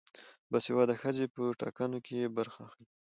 باسواده ښځې په ټاکنو کې برخه اخلي.